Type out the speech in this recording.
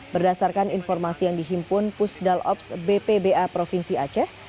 berdasarkan informasi yang dihimpun pusdal ops bpba provinsi aceh